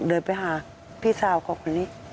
เดินไปหาพี่สาวของคนนี้